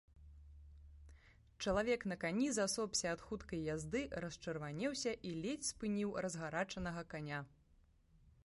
Чалавек на кані засопся ад хуткай язды, расчырванеўся і ледзь спыніў разгарачанага каня.